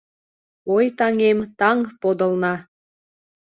Ой, таҥем, таҥ подылна -